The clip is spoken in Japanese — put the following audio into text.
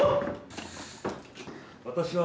私は。